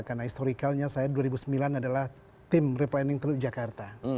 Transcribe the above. karena historicalnya saya dua ribu sembilan adalah tim replaning teluk jakarta